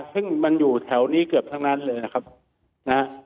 ซึ่งมันอยู่แถวนี้เกือบทั้งนั้นเลยนะครับนะ